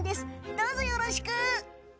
どうぞよろしく。